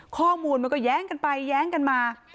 ข้อมูลมันก็แย้งกันไปแย้งกันมา